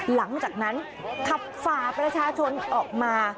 หลังจากนั้นขับฝ่าประชาชนออกมา